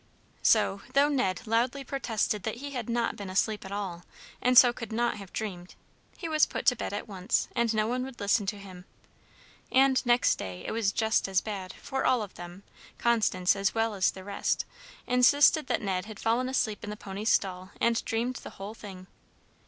So, though Ned loudly protested that he had not been asleep at all, and so could not have dreamed, he was put to bed at once, and no one would listen to him. And next day it was just as bad, for all of them, Constance as well as the rest, insisted that Ned had fallen asleep in the pony's stall and dreamed the whole thing.